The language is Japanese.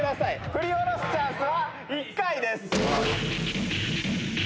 振り下ろすチャンスは１回です。